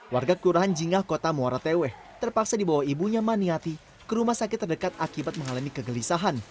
warga kelurahan jingah kota muara teweh terpaksa dibawa ibunya maniati ke rumah sakit terdekat akibat mengalami kegelisahan